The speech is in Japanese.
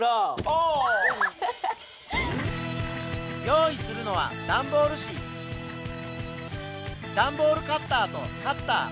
用意するのはだんボール紙だんボールカッターとカッター。